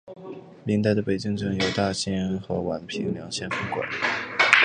明代的北京城由大兴和宛平两县分管。